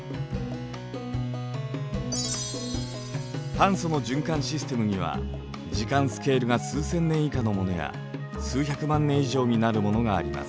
炭素の循環システムには時間スケールが数千年以下のものや数百万年以上になるものがあります。